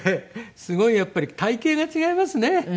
すごいやっぱり体形が違いますね。